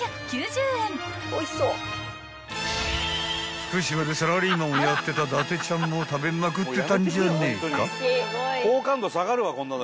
［福島でサラリーマンをやってた伊達ちゃんも食べまくってたんじゃねえか？］